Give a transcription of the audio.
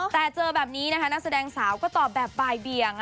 แต่เจอแบบนี้นะคะนักแสดงสาวก็ตอบแบบบ่ายเบียง